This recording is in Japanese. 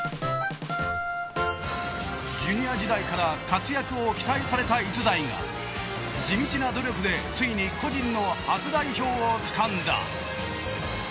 ジュニア時代から活躍を期待された逸材が地道な努力でついに個人の初代表をつかんだ。